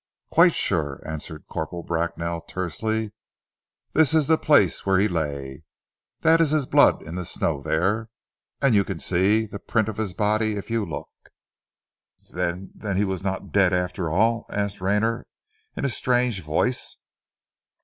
"Quite sure," answered Corporal Bracknell tersely. "This is the place where he lay. That is his blood in the snow there; and you can, see the print of his body if you look." "Then then he was not dead after all?" asked Rayner in a strange voice.